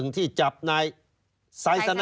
ที่จับทหารซายซน่ะ